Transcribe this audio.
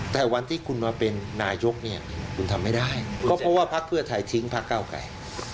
แต่วันที่คุณมาเป็นนายกเนี่ยคุณทำไม่ได้ก็เพราะว่าพักเพื่อไทยทิ้งพักเก้าไกล